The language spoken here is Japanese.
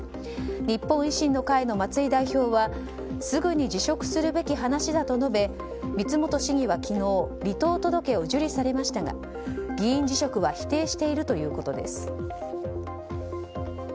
日本維新の会の松井代表はすぐに辞職するべき話だと述べ光本市議は昨日離党届を受理されましたが議員辞職は否定しているということです。